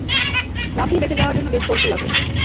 লাফিয়ে বেঁচে যাওয়ার জন্য বেশ কৌশল লাগে।